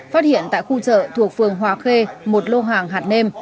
phát hiện tại khu chợ thuộc phường hòa khê một lô hàng hạt nem